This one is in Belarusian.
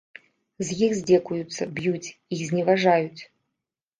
З іх здзекуюцца, б'юць, іх зневажаюць.